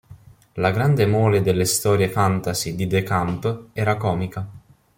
La grande mole delle storie fantasy di de Camp era comica.